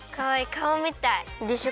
かおみたい。でしょ？